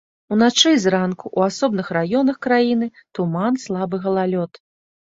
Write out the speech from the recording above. Уначы і зранку ў асобных раёнах краіны туман, слабы галалёд.